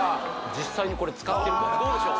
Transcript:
実際にこれ使ってるからどうでしょう？